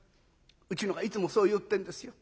うちのがいつもそう言ってるんですよ。